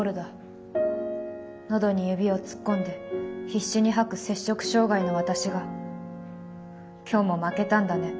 喉に指を突っ込んで必死に吐く“摂食障害の私”が『今日も負けたんだね。